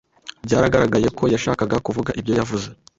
Byaragaragaye ko yashakaga kuvuga ibyo yavuze.